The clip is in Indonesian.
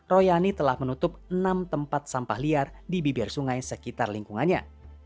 royani telah menutup enam tempat sampah liar di bibir sungai sekitar lingkungannya